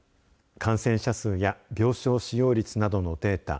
感染者数や病床使用率などのデータ